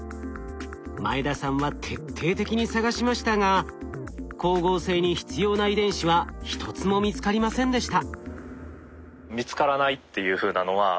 前田さんは徹底的に探しましたが光合成に必要な遺伝子は１つも見つかりませんでした。